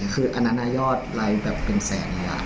คืออันนั้นน่ายอดรายแบบเป็นแสนนี้